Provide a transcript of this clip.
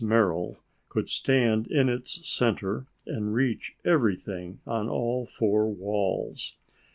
Merrill could stand in its centre and reach everything on all four walls.